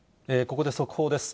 ここで速報です。